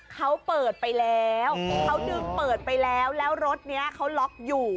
เขาเปิดไปแล้วเขาดึงเปิดไปแล้วแล้วรถนี้เขาล็อกอยู่